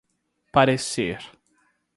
parecer